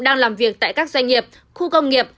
đang làm việc tại các doanh nghiệp khu công nghiệp